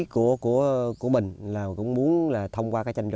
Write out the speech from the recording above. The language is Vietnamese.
cái ý của mình là cũng muốn là thông qua các bức tranh này